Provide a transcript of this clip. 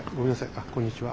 あこんにちは。